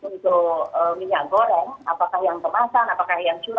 dimana kelemahannya persoalannya apakah itu benar benar menjawab tantangan situasi yang terjadi tadi